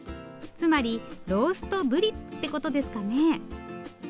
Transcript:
つまりローストブリってことですかね？